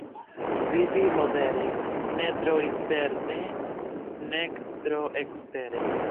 Vivi modere, ne tro interne nek tro ekstere.